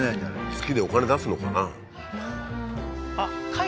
月でお金出すのかな？